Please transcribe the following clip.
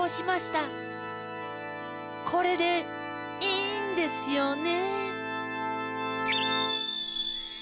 これでいいんですよね。